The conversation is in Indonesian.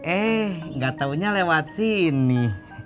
eh gak taunya lewat sini